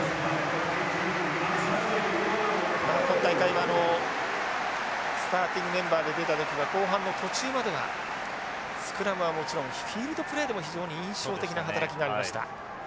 今大会はスターティングメンバーで出た時は後半も途中まではスクラムはもちろんフィールドプレーでも非常に印象的な働きがありました。